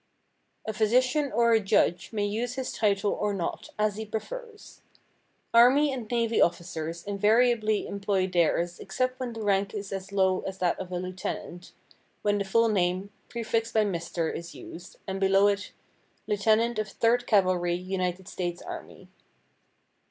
A physician or a judge may use his title or not as he prefers. Army and navy officers invariably employ theirs except when the rank is as low as that of a lieutenant, when the full name, prefixed by "Mr." is used, and below it, "Lieutenant of Third Cavalry, United States Army."